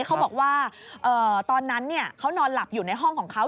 เขาบอกว่าตอนนั้นเขานอนหลับอยู่ในห้องของเขา